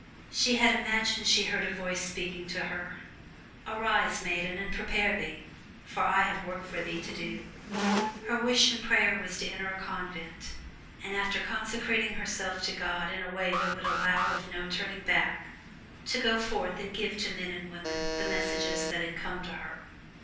She had imagined she heard a voice speaking to her: "Arise, maiden, and prepare thee, for I have a work for thee to do!" Her wish and prayer was to enter a convent, and after consecrating herself to God in a way that would allow of no turning back, to go forth and give to men and women the messages that had come to her.